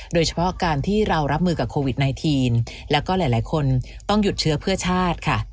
โดยเฉพาะการที่เรารับมือกับโควิด๑๙แล้วก็หลายคนต้องหยุดเชื้อเพื่อชาติค่ะ